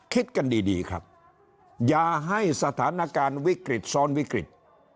คิดกันดีครับอย่าให้สถานการณ์วิกฤตซ้อนวิกฤต